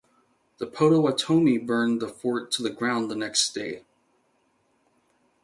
The Potawatomi burned the fort to the ground the next day.